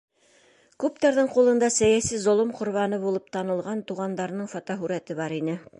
Күптәрҙең ҡулында сәйәси золом ҡорбаны булып танылған туғандарының фотоһүрәте бар ине.